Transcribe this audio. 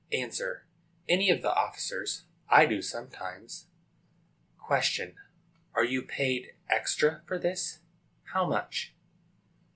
A. Any of the officers. I do, sometimes. Q. Are you paid extra for this? How much?